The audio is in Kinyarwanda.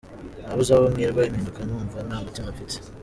Nabuze aho nkwirwa mpinduka numva nta mutima mfite.